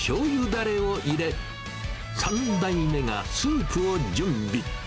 だれを入れ、３代目がスープを準備。